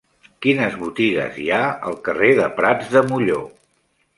Quines botigues hi ha al carrer de Prats de Molló?